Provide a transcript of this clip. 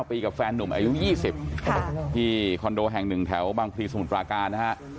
ปีกับแฟนหนุ่มอายุ๒๐ที่คอนโดแห่งหนึ่งแถวบางพลีสมุทรปราการนะฮะ